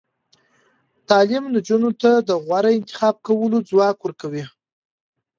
تعلیم نجونو ته د غوره انتخاب کولو ځواک ورکوي.